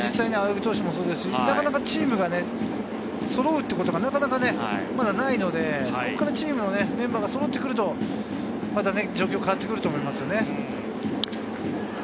なかなかチームがそろうということがないので、ここからチームのメンバーがそろってくると、状況が変わってくると思いますね。